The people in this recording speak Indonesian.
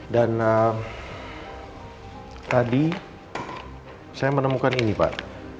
dan tadi saya menemukan ini pak